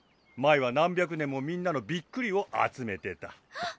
前は何百年もみんなのビックリを集めてた。